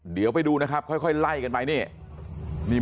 เดี๋ยวไปดูนะครับค่อยไล่กันไปนี่